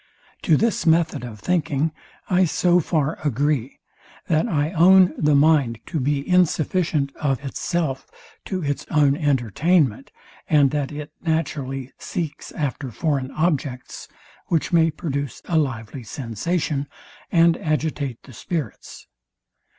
To this method of thinking I so far agree, that I own the mind to be insufficient, of itself, to its own entertainment, and that it naturally seeks after foreign objects, which may produce a lively sensation, and agitate the spirits.